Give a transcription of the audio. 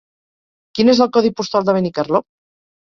Quin és el codi postal de Benicarló?